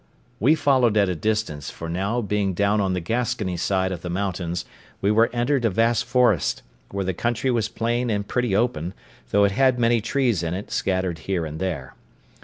We followed at a distance, for now being down on the Gascony side of the mountains, we were entered a vast forest, where the country was plain and pretty open, though it had many trees in it scattered here and there.